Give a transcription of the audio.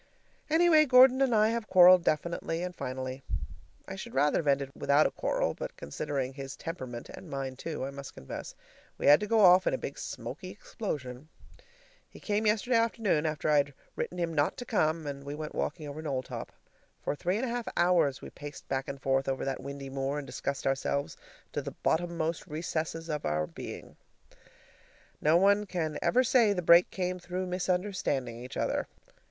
Anyway, Gordon and I have quarreled definitely and finally. I should rather have ended without a quarrel, but considering his temperament, and mine, too, I must confess, we had to go off in a big smoky explosion. He came yesterday afternoon, after I'd written him not to come, and we went walking over Knowltop. For three and a half hours we paced back and forth over that windy moor and discussed ourselves to the bottommost recesses of our beings. No one can ever say the break came through misunderstanding each other!